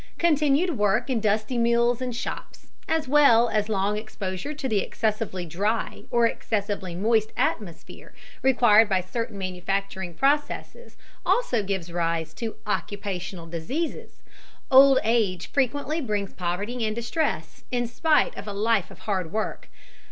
Continued work in dusty mills and shops, as well as long exposure to the excessively dry or excessively moist atmosphere required by certain manufacturing processes, also give rise to "occupational" diseases. Old age frequently brings poverty and distress, in spite of a life of hard work.